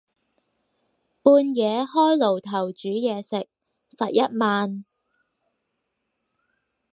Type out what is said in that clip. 半夜開爐頭煮嘢食，罰一萬